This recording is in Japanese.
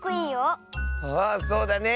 あそうだね！